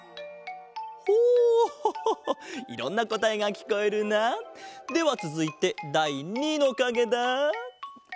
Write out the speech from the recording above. ほういろんなこたえがきこえるな。ではつづいてだい２のかげだ。